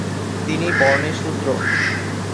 তিনি বর্ণে শূদ্র।